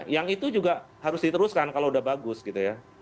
yang itu juga harus diteruskan kalau udah bagus gitu ya